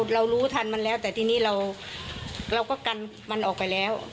เรารู้ทันมันแล้วแต่ทีนี้เราก็กันมันออกไปแล้ว